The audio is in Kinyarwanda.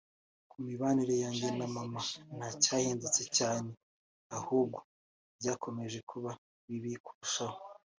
Ku mibanire yanjye na maman nta cyahindutse cyane ahubwo byakomeje kuba bibi kurushaho